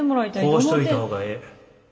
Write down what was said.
こうしといた方がええ。